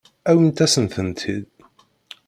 Awimt-asent-tent-id.